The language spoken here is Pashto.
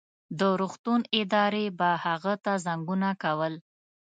د روغتون ادارې به هغه ته زنګونه کول.